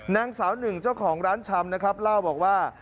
นางสาวหนึ่งเจ้าของร้านชำนะครับเล่าบอกว่า